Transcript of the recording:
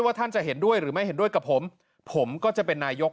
ท่านจะเห็นด้วยหรือไม่เห็นด้วยกับผมผมก็จะเป็นนายก